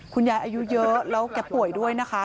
คุณญายอายุเยอะแล้วเก็บป่วยด้วยนะคะ